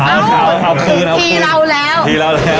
อันนี้ปีเราแล้ว